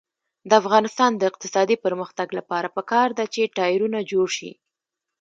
د افغانستان د اقتصادي پرمختګ لپاره پکار ده چې ټایرونه جوړ شي.